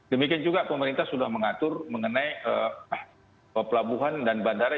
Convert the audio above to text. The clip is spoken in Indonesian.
demikian juga pemerintah sudah mengatur mengenai pelabuhan dan bandara